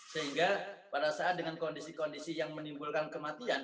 sehingga pada saat dengan kondisi kondisi yang menimbulkan kematian